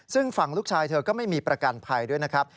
ซึ่งฝั่งลูกชายเธอก็ไม่มีประกันภัยด้วยนะครับ